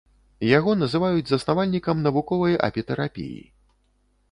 Яго называюць заснавальнікам навуковай апітэрапіі.